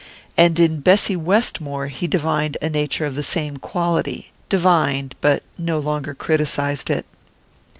And in Bessy Westmore he divined a nature of the same quality divined, but no longer criticized it.